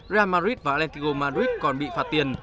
real madrid và atletico madrid còn bị phạt tiền